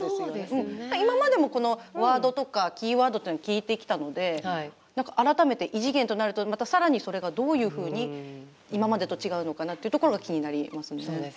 今までも、このワードとかキーワードっていうのは聞いてきたので改めて異次元となるとまた、さらにそれがどういうふうに今までと違うのかなっていうところが気になりますね。